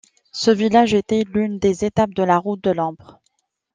Ce village était l'une des étapes de la Route de l'ambre.